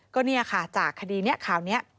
ก็นี่ค่ะจากคดีข่าวนี้